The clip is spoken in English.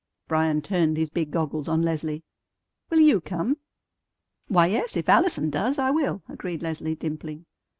Bryan turned his big goggles on Leslie. "Will you come?" "Why, yes, if Allison does, I will," agreed Leslie, dimpling.